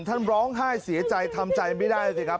ท่านร้องไห้เสียใจทำใจไม่ได้สิครับ